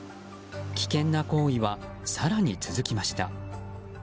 危険な行為は更に続きました。